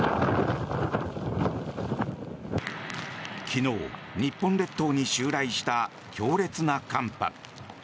昨日、日本列島に襲来した強烈な寒波。